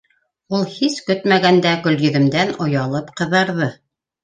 Ул һис көтмәгәндә Гөлйөҙөмдән оялып ҡыҙарҙы.